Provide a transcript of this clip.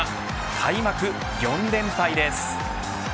開幕４連敗です。